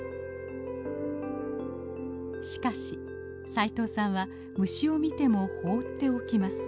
しかし斉藤さんは虫を見ても放っておきます。